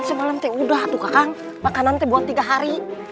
semalam tidak ada makan saja buat tiga hari